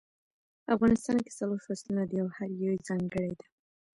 افغانستان کې څلور فصلونه دي او هر یو ځانګړی ده